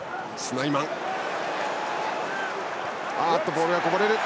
ボールがこぼれた。